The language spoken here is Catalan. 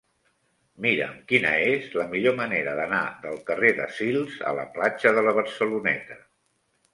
Mira'm quina és la millor manera d'anar del carrer de Sils a la platja de la Barceloneta.